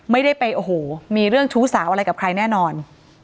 ไม่ได้ไปโอ้โหมีเรื่องชู้สาวอะไรกับใครแน่นอน